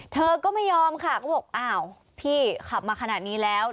เธอก็ไม่ยอมค่ะก็บอกอ้าวพี่ขับมาขนาดนี้แล้ว